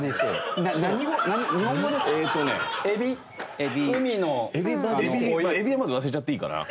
エビエビはまず忘れちゃっていいかな。